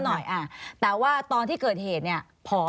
อ้วนหน่อยแต่ว่าตอนที่เกิดเหตุพร้อม